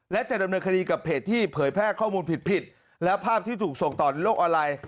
และจะดำเนินคดีกับเพจที่เผยแพร่ข้อมูลผิดผิดและภาพที่ถูกส่งต่อในโลกออนไลน์